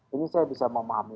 ini saya bisa memahami